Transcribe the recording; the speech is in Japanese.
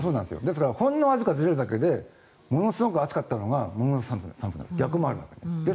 ほんのわずかずれるだけでものすごく暑かったのがものすごく寒くなる逆もあるわけです。